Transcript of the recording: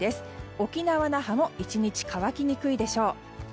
沖縄・那覇も１日、乾きにくいでしょう。